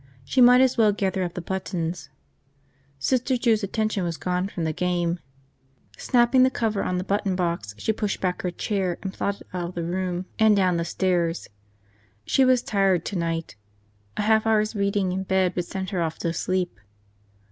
She might as well gather up the buttons. Sister Jude's attention was gone from the game. Snapping the cover on the button box, she pushed back her chair and plodded out of the room and down the stairs. She was tired tonight. A half hour's reading in bed would send her off to sleep.